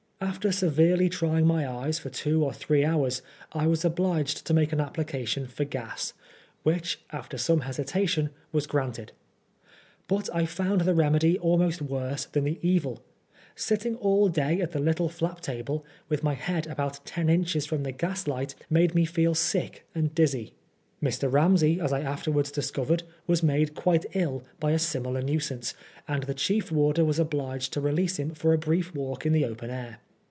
After severely trying my eyes for two or three hours, I was obliged to make an application for gas, which, after some hesitation, was granted. But I found the remedy almost wot*se than the evil. Sitting all day at the little flap table, with my head about ten inches from the gas light, made me feel sick and dizzy. Mr. Ramsey, as I afterwards discovered, was made quite ill by a similar nuisance, and the chief warder was obliged to release him for a brief walk in the open air.